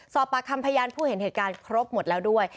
สอบปากคำพยานผู้เห็นเหตุการณ์ครบหมดแล้วด้วย